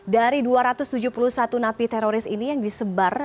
dari dua ratus tujuh puluh satu napi teroris ini yang disebar